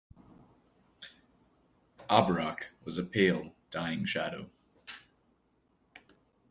Abarrach was a pale, dying shadow.